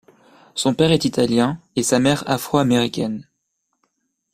Son père est italien et sa mère afro-américaine.